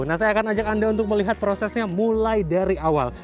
nah saya akan ajak anda untuk melihat prosesnya mulai dari awal